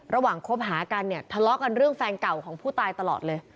คบหากันเนี่ยทะเลาะกันเรื่องแฟนเก่าของผู้ตายตลอดเลย